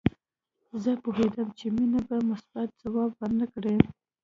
زه پوهېدم چې مينه به مثبت ځواب ورنه کړي